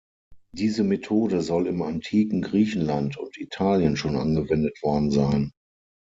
Diese Methode soll im Antiken Griechenland und Italien schon angewendet worden sein.